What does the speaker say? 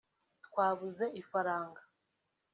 twabuze ifaranga